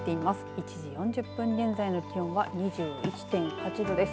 １時４０分現在の気温は２１．８度です。